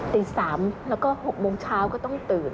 ตี๓แล้วก็๖โมงเช้าก็ต้องตื่น